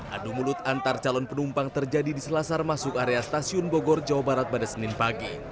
adu mulut antar calon penumpang terjadi di selasar masuk area stasiun bogor jawa barat pada senin pagi